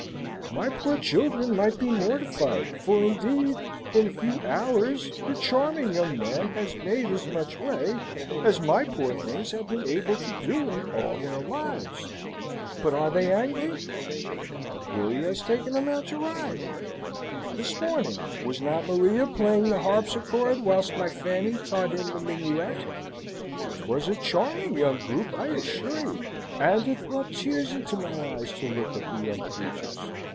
My poor children might be mortified, for indeed, in a few hours, the charming young man has made as much way as my poor things have been able to do in all their lives: but are they angry? Willy hath taken him out to ride. This morning, was not Maria playing the harpsichord whilst my Fanny taught him the minuet? 'Twas a charming young group, I assure you, and it brought tears into my eyes to look at the young creatures.